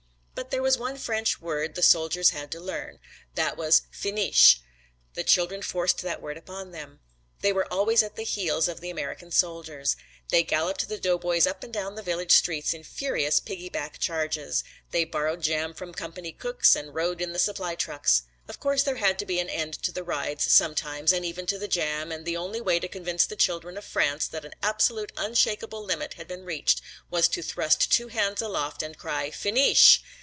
But there was one French word the soldiers had to learn. That was "fineesh." The children forced that word upon them. They were always at the heels of the American soldiers. They galloped the doughboys up and down the village streets in furious piggyback charges. They borrowed jam from company cooks and rode in the supply trucks. Of course there had to be an end to the rides, sometimes, and even to the jam and the only way to convince the children of France that an absolute unshakable limit had been reached was to thrust two hands aloft and cry "fineesh."